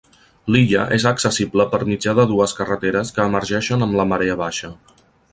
L'illa és accessible per mitjà de dues carreteres que emergeixen amb la marea baixa.